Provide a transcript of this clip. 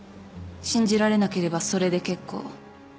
信じられなければそれで結構。